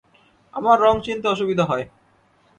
আমার রঙ চিনতে অসুবিধা হয়।